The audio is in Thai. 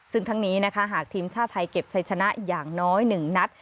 ซึ่งทั้งนี้นะคะหากทีมชาติไทยเก็บชัยชนะอย่างน้อย๑นัด